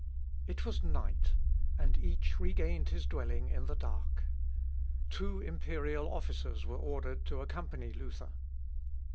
It was night, and each regained his dwelling in the dark. Two imperial officers were ordered to accompany Luther.